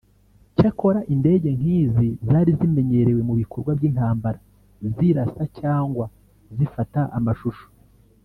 Cyakora indege nk’izi zari zimenyerewe mu bikorwa by’intambara zirasa cyangwa zifata amashusho